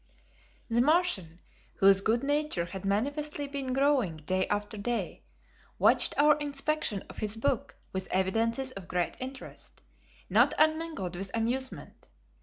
The Martian, whose good nature had manifestly been growing day after day, watched our inspection of his book with evidences of great interest, not unmingled with amusement.